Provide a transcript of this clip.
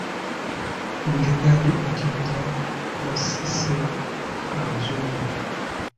Bujagali e jinja basise abazungu.